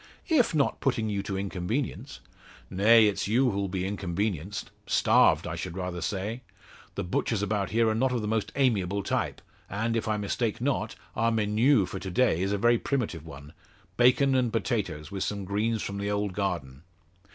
"If not putting you to inconvenience." "Nay; it's you who'll be inconvenienced starved, I should rather say. The butchers about here are not of the most amiable type; and, if I mistake not, our menu for to day is a very primitive one bacon and potatoes, with some greens from the old garden."